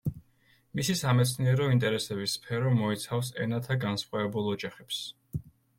მისი სამეცნიერო ინტერესების სფერო მოიცავს ენათა განსხვავებულ ოჯახებს.